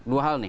dua hal nih